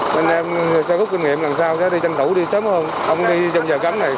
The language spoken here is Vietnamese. nên em sơ hấp kinh nghiệm làm sao sẽ đi tranh thủ đi sớm hơn không đi trong giờ cấm này